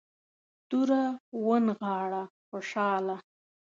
توره ونغاړه خوشحاله.